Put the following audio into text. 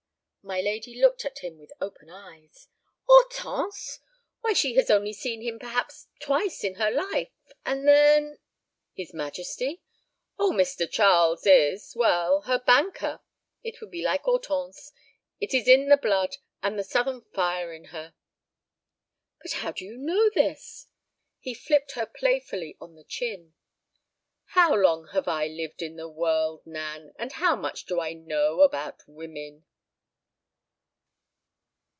My lady looked at him with open eyes. "Hortense! Why, she has only seen him perhaps twice in her life. And then—?" "His Majesty? Oh, Mr. Charles is—well, her banker. It would be like Hortense; it is the blood, and the southern fire in her." "But how do you know this?" He flipped her playfully on the chin. "How long have I lived in the world, Nan, and how much do I know about women?"